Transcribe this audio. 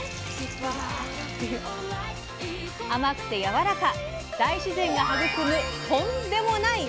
甘くてやわらか大自然が育む「とん」でもない